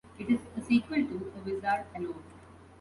It is the sequel to "A Wizard Alone".